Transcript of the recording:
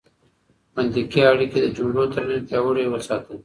منطقي اړیکي د جملو ترمنځ پیاوړې وساتئ.